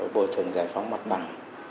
bộ thường giải phóng mặt bằng